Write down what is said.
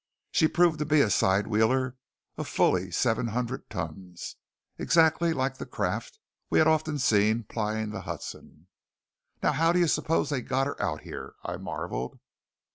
She proved to be a side wheeler, of fully seven hundred tons, exactly like the craft we had often seen plying the Hudson. "Now how do you suppose they got her out here?" I marvelled.